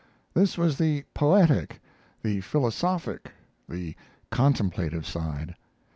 This was the poetic, the philosophic, the contemplative side.